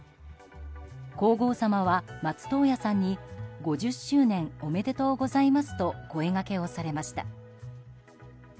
皇后さまは、松任谷さんに５０周年おめでとうございますと声がけをされました。